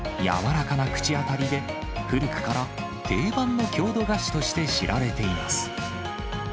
柔らかな口当たりで、古くから定番の郷土菓子として知られています。